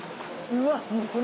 うわっ！